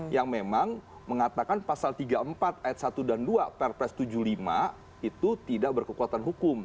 yang memang mengatakan pasal tiga puluh empat ayat satu dan dua perpres tujuh puluh lima itu tidak berkekuatan hukum